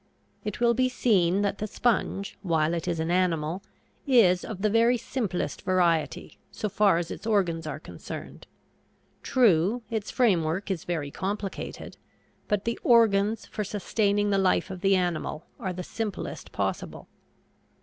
It will be seen that the sponge, while it is an animal, is of the very simplest variety, so far as its organs are concerned. True, its framework is very complicated, but the organs for sustaining the life of the animal are the simplest possible.